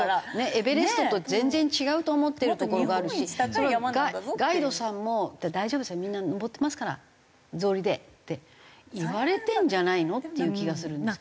エベレストと全然違うと思ってるところがあるしガイドさんも「大丈夫ですよみんな登ってますから草履で」って言われてるんじゃないの？っていう気がするんですけど。